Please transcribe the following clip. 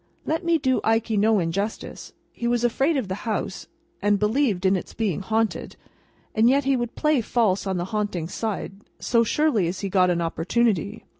Let me do Ikey no injustice. He was afraid of the house, and believed in its being haunted; and yet he would play false on the haunting side, so surely as he got an opportunity.